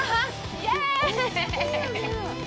イエーイ！